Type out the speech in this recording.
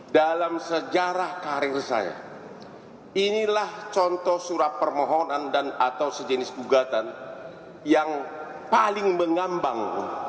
dalam sejarah karir saya inilah contoh surat permohonan dan atau sejenis gugatan yang paling mengambang